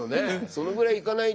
そのぐらいいかないと。